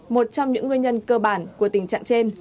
một trong những nguyên nhân cơ bản của tình trạng trên